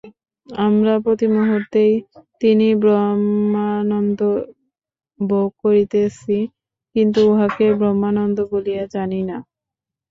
আমরা প্রতিমুহূর্তেই সেই ব্রহ্মানন্দ ভোগ করিতেছি, কিন্তু উহাকে ব্রহ্মানন্দ বলিয়া জানি না।